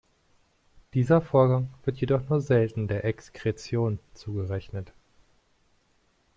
Dieser Vorgang wird jedoch nur selten der Exkretion zugerechnet.